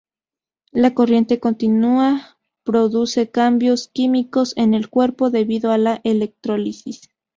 La corriente continua produce cambios químicos en el cuerpo, debido a la electrólisis.